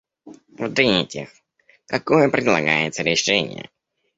В-третьих, какое предлагается решение?